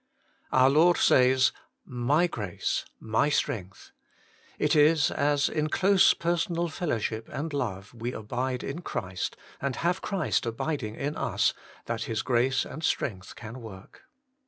2. Our Lord says :* My grace, My strength.' It is as, in close personal fellowship and love, we abide in Christ, and have Christ abiding in us, that His grace and strength can work.